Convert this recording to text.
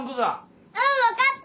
うん分かった。